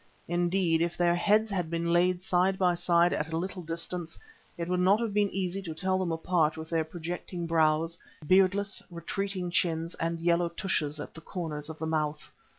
Indeed if their heads had been laid side by side at a little distance, it would not have been too easy to tell them apart with their projecting brows, beardless, retreating chins and yellow tushes at the corners of the mouth.